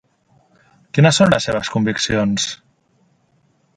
Quines són les seves conviccions?